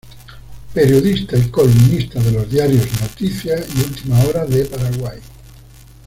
Periodista y columnista de los Diarios Noticias y Ultima Hora de Paraguay.